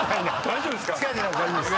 大丈夫です。